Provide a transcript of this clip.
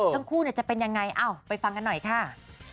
แล้วคู่จะเป็นอย่างไรไปฟังกันหน่อยค่ะ